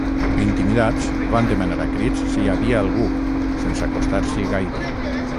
Intimidats, van demanar a crits si hi havia algú sense acostar-s'hi gaire.